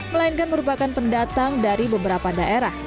melainkan merupakan pendatang dari beberapa daerah